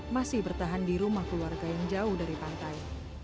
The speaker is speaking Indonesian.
masih bertahan di rumah keluarga yang jauh dari pantai